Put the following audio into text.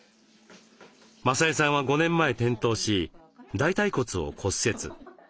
雅江さんは５年前転倒し大腿骨を骨折。